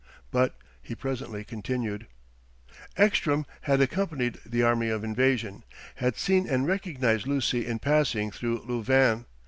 But he presently continued: "Ekstrom had accompanied the army of invasion, had seen and recognized Lucy in passing through Louvain.